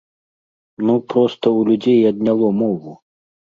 Ну, проста ў людзей адняло мову.